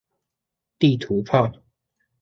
地圖炮